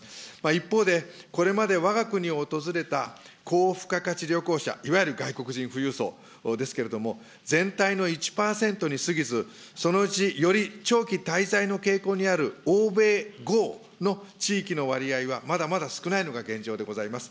一方で、これまでわが国を訪れた高付加価値旅行者、いわゆる外国人富裕層ですけれども、全体の１％に過ぎず、そのうちより長期滞在の傾向がございます欧米豪の地域の割合はまだまだ少ないのが現状でございます。